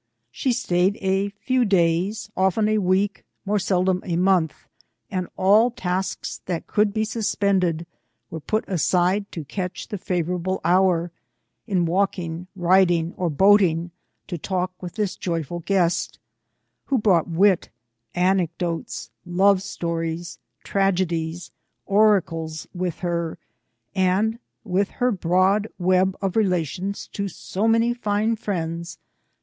She stayed a few days, often a week, more seldom a month, and all tasks that could be suspended were put aside to catch the favourable hour, in walking, riding, or boating, to talk with this joyful guest, who brought wit, anecdotes, love stories, tragedies, oracles with her, and, with her broad web of relations to so many fine friends. PHIENDS.